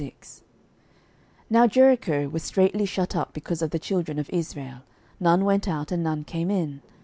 06:006:001 Now Jericho was straitly shut up because of the children of Israel: none went out, and none came in.